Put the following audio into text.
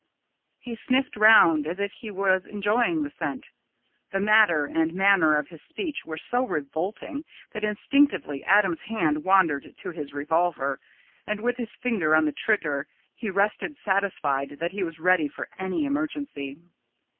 He sniffed round as if he was enjoying the scent. The matter and manner of his speech were so revolting that instinctively Adam's hand wandered to his revolver, and, with his finger on the trigger, he rested satisfied that he was ready for any emergency.